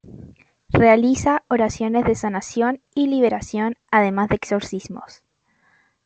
Realiza oraciones de sanación y liberación, además de exorcismos.